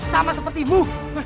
sama seperti mu